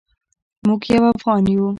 موږ یو افغان یو